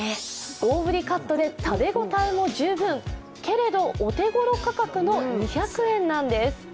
大ぶりカットで食べ応えも十分、けれどお手ごろ価格の２００円なんです。